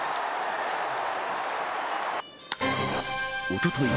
おととい